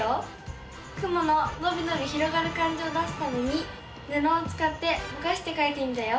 雲ののびのび広がる感じを出すためにぬのをつかってぼかしてかいてみたよ。